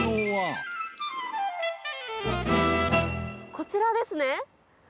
こちらですね。